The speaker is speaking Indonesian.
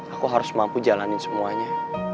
aku harus mampu jalanin semuanya